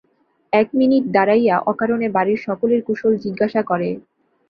এক মিনিট দাড়াইয়া অকারণে বাড়ির সকলের কুশল জিজ্ঞাসা করে।